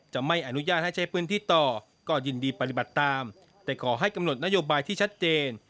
ไม่อนุญาตให้ใช้พื้นที่ต่อก็ยินดีปฏิบัติตามแต่ขอให้กำหนดนโยบายที่ชัดเจน